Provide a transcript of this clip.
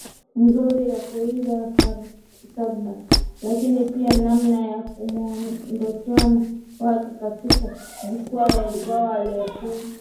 nzuri ya kuimba taarab lakini pia namna ya muonekano wake katika jukwaa Ingawa alikuwa